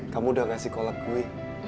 kamu udah ngasih kolek gue